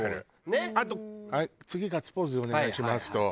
あと「はい次ガッツポーズお願いします」と